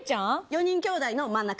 ４人きょうだいの真ん中。